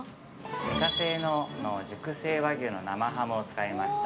自家製の熟成和牛の生ハムを使いました